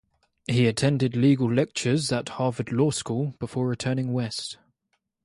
He attended legal lectures at Harvard Law School before returning West.